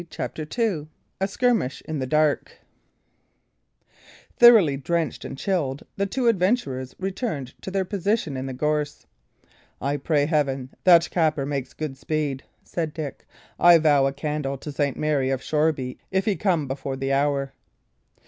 CHAPTER II A SKIRMISH IN THE DARK Thoroughly drenched and chilled, the two adventurers returned to their position in the gorse. "I pray Heaven that Capper make good speed!" said Dick. "I vow a candle to St. Mary of Shoreby if he come before the hour!"